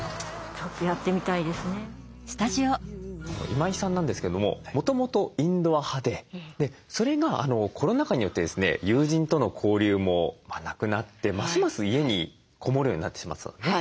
今井さんなんですけれどももともとインドア派でそれがコロナ禍によってですね友人との交流もなくなってますます家にこもるようになってしまってたんですね。